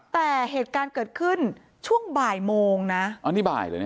แต่เหตุการณ์เกิดขึ้นช่วงบ่ายโมงนะอันนี้บ่ายเลยนะ